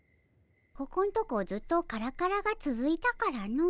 ここんとこずっとカラカラがつづいたからの。